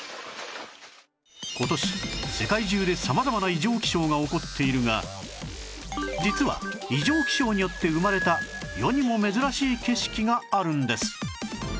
今年世界中で様々な異常気象が起こっているが実は異常気象によって生まれた世にも珍しい景色があるんです